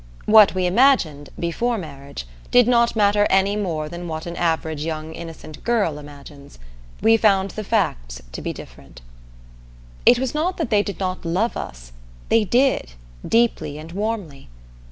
What we imagined, before marriage, did not matter any more than what an average innocent young girl imagines. We found the facts to be different. It was not that they did not love us; they did, deeply and warmly.